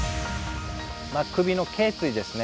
首のけい椎ですね。